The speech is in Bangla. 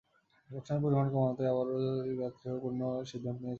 লোকসানের পরিমাণ কমাতে আবারও যাত্রী ও পণ্য ভাড়া বাড়ানোর সিদ্ধান্ত নিয়েছে সরকার।